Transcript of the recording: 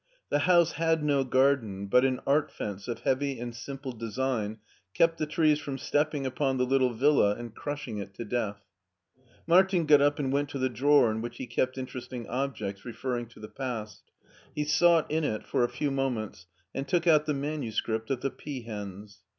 The house had no garderi, but an artfence of he; avy and simple design fe^f the trees from stepping upon the little villa and crushing if to death. Martin gof up and went to the drawer in whidi fie kept interesting objects referring to the past. He sought in it a few moments, and took out the manu script of the peahens.